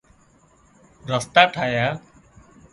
رستا ٺاهيا